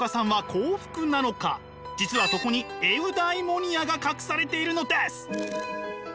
実はそこにエウダイモニアが隠されているのです。